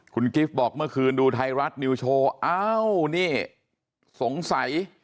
คุณกิฟต์บอกเมื่อคืนดูไทยรัฐนิวโชว์อ้าวนี่สงสัย